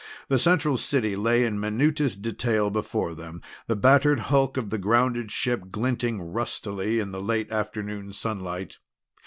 The central city lay in minutest detail before them, the battered hulk of the grounded ship glinting rustily in the late afternoon sunlight.